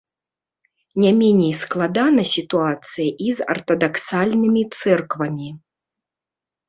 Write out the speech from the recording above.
Не меней складана сітуацыя і з артадаксальнымі цэрквамі.